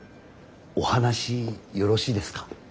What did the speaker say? お話よろしいですか。